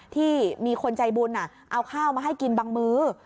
ที่มีคนใจบุญเอาข้าวมาให้กินบางมื้อ